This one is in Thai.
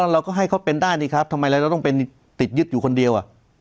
เราก็ให้เขาเป็นได้นี่ครับทำไมเราต้องเป็นติดยึดอยู่คนเดียว